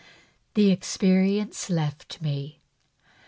The experience left me.